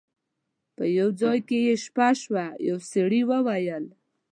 په یو ځای کې یې شپه شوه یو سړي وویل.